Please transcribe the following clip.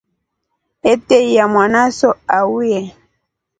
Ateiya mwanaso auye.